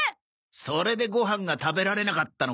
それでご飯が食べられなかったのか。